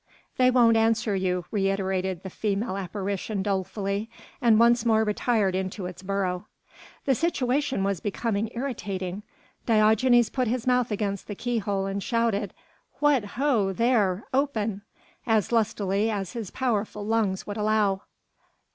"They won't answer you," reiterated the female apparition dolefully and once more retired into its burrow. The situation was becoming irritating. Diogenes put his mouth against the keyhole and shouted "What ho, there! Open!" as lustily as his powerful lungs would allow.